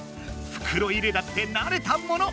ふくろ入れだってなれたもの！